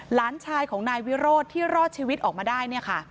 หลานชายของนายวิโรธที่รอดชีวิตออกมาได้